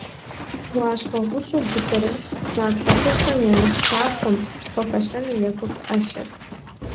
Уащхъуэ гъущӏу быдэрэ, нарт лӏыхъужьхэм я нэхъ хахуэм хуэфэщэну екӏурт ӏэщэр.